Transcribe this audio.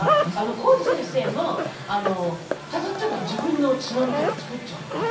神津先生もチャチャチャッと自分のつまみとか作っちゃうんですよ。